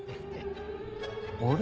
あれ？